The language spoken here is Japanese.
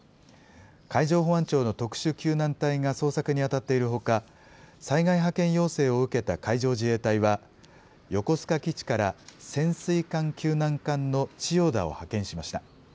海上保安庁の特殊救難隊が捜索に当たっているほか、災害派遣要請を受けた海上自衛隊は、横須賀基地から潜水艦救難艦のちよだを派遣しました。